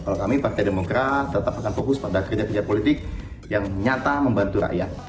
kalau kami partai demokrat tetap akan fokus pada kerja kerja politik yang nyata membantu rakyat